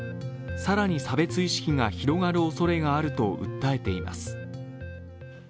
更に差別意識が広がるおそれがあると訴えています。